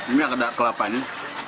ini ada kelapanya